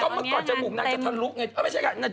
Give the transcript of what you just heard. ก็เมื่อก่อนชมูกนางจะทะลุไงเธอ